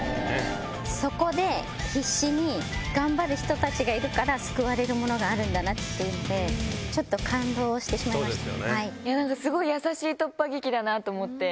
そこで、必死に頑張る人たちがいるから救われるものがあるんだなっていうので、ちょっと感動してしまいました。